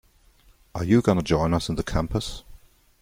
Are you gonna join us in the campus?